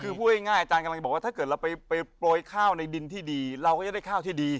คือพูดง่ายอาจารย์กำลังบอกว่าถ้าเกิดเราไปโปรยข้าวในดินที่ดีเราก็จะได้ข้าวที่ดี